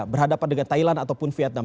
berhadapan dengan thailand ataupun vietnam